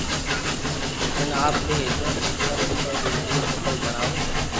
ھين آپري ھين ٻچو ري زندگي سفل بڻاوُ